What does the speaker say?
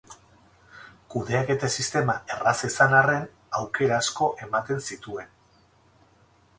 Kudeaketa sistema erraza izan arren, aukera asko ematen zituen.